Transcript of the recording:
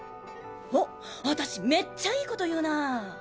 おっ私めっちゃいいこと言うなぁ。